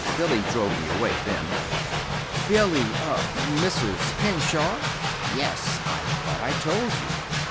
Billy drove me away, then." "Billy! er Mrs. Henshaw?" "Yes. I thought I told you.